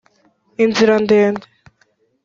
inzira ndende